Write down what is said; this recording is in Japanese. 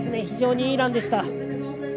非常にいいランでした。